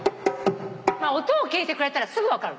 音を聞いてくれたらすぐ分かる。